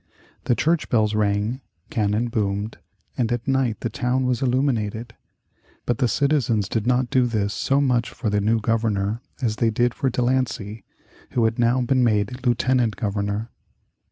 The church bells rang, cannon boomed, and at night the town was illuminated. But the citizens did not do this so much for the new Governor as they did for De Lancey, who had now been made Lieutenant Governor.